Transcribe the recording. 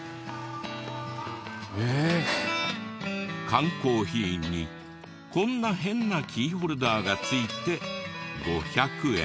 缶コーヒーにこんな変なキーホルダーが付いて５００円。